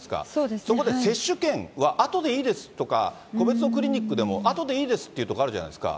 そこで接種券はあとでいいですとか、個別のクリニックでもあとでいいですっていうところがあるじゃないですか。